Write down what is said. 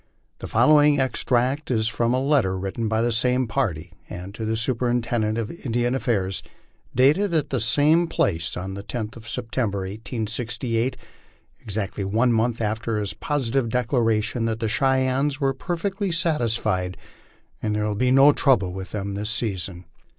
The following extract is from a letter written by the same party and to the Superintendent of Indian Affairs, dated at same place on the 10th of September^ 1868, exactly one month after his positive declaration that the Cheyennes " were perfectly satisfied, and there will be no trouble with them this season."